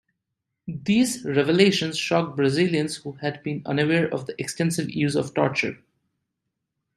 These revelations shocked Brazilians who had been unaware of the extensive use of torture.